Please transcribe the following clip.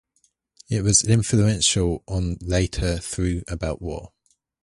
It was influential on later thought about war.